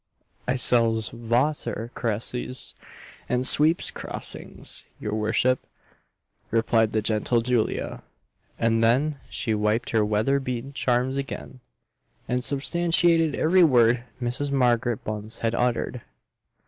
"I sells vauter creeses and sweeps crossings, your worship," replied the gentle Julia; and then she wiped her weather beaten charms again, and substantiated every word Mrs. Margaret Bunce had uttered.